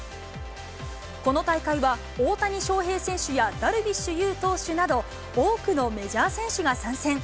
この大会は、大谷翔平選手やダルビッシュ有投手など、多くのメジャー選手が参戦。